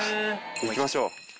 行きましょう。